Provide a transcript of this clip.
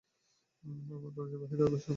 আমারা কলেজের বাহিরে বসবো।